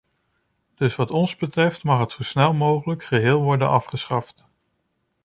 Dus wat ons betreft mag het zo snel mogelijk geheel worden afgeschaft.